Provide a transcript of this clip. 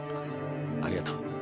ありがとう。